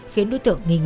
khiến đối tượng nghi ngờ